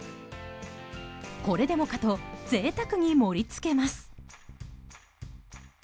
これでもかと贅沢に盛り付けます。